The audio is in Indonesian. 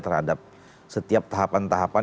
terhadap setiap tahapan tahapan